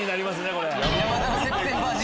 これ。